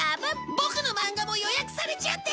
ボクの漫画も予約されちゃってる！